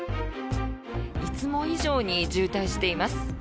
いつも以上に渋滞しています。